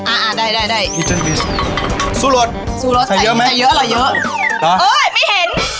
อ่าอ่าได้ได้ได้ซูรสซูรสใส่เยอะไหมใส่เยอะหรอ